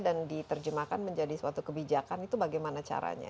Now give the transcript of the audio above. dan diterjemahkan menjadi suatu kebijakan itu bagaimana caranya